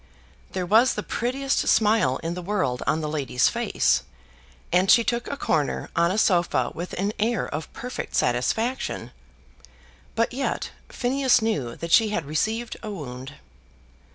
There was the prettiest smile in the world on the lady's face, and she took a corner on a sofa with an air of perfect satisfaction. But yet Phineas knew that she had received a wound.